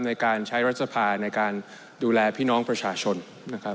ในการใช้รัฐสภาในการดูแลพี่น้องประชาชนนะครับ